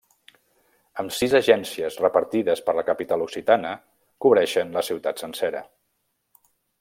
Amb sis agències repartides per la capital occitana, cobreixen la ciutat sencera.